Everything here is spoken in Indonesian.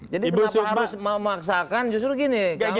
jadi kenapa harus memaksakan justru gini